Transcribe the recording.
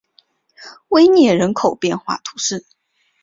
威涅人口变化图示